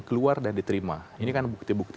keluar dan diterima ini kan bukti bukti